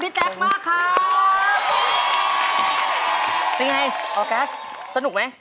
เป็นอย่างไรออร์กัสสนุกไหม